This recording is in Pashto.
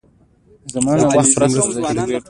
له کتونکو سره مرسته کړې ده.